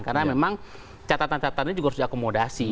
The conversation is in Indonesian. karena memang catatan catatannya juga harus diakomodasi